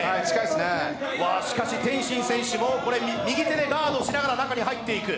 しかし天心選手も右手でガードしながら中に入っていく。